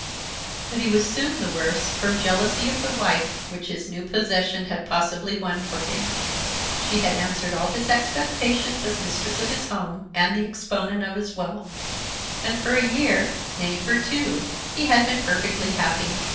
But he was soon the worse from jealousy of the wife which his new possession had possibly won for him. She had answered all his expectations as mistress of his home and the exponent of his wealth; and for a year, nay, for two, he had been perfectly happy.